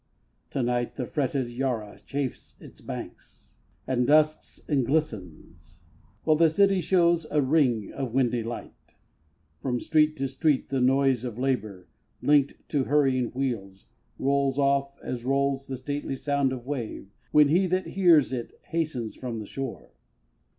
To night the fretted Yarra chafes its banks, And dusks and glistens; while the city shows A ring of windy light. From street to street The noise of labour, linked to hurrying wheels, Rolls off, as rolls the stately sound of wave, When he that hears it hastens from the shore.